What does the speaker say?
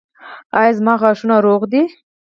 ایا زما غاښونه روغ دي؟